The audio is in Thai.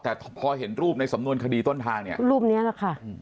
แต่พอเห็นรูปในสำนวนคดีต้นทางเนี่ยรูปนี้แหละค่ะ